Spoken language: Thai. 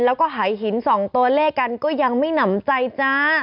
แล้วก็หายหิน๒ตัวเลขกันก็ยังไม่หนำใจจ้า